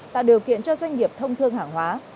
tạo điều kiện cho doanh nghiệp thông thương hàng hóa